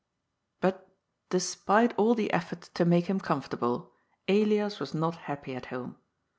But, despite all the efforts to make him comfortable, Elias was not happy at home.